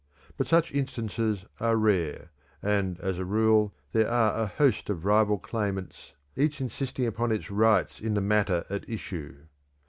But such instances are rare, and as a rule there are a host of rival claimants, each insisting upon its rights in the matter at issue.